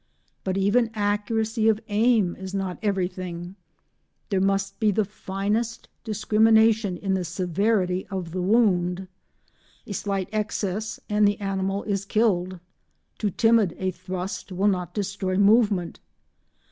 But even accuracy of aim is not everything; there must be the finest discrimination in the severity of the wound. A slight excess, and the animal is killed; too timid a thrust will not destroy movement.